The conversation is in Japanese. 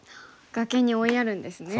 崖に追いやるんですね。